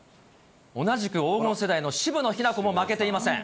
同じく黄金世代の渋野日向子も負けていません。